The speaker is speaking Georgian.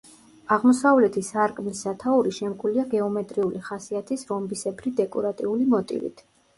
აღმოსავლეთი სარკმლის სათაური შემკულია გეომეტრიული ხასიათის რომბისებრი დეკორატიული მოტივით.